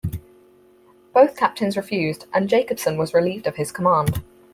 Both captains refused, and Jacobsen was relieved of his command.